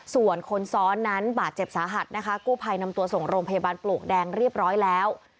ส่วนคนซ้อนนั้นบาดเจ็บสาหัสนะคะกู้ภัยนำตัวส่งโรงพยาบาลปลวกแดงเรียบร้อยแล้ว